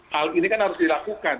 hal ini kan harus dilakukan